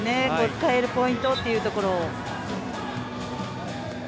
使えるポイントというところを。